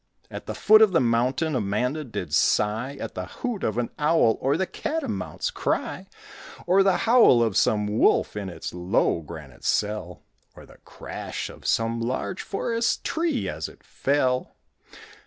At the foot of the mountain Amanda did sigh At the hoot of an owl Or the catamount's cry; Or the howl of some wolf In its low, granite cell, Or the crash of some large Forest tree as it fell.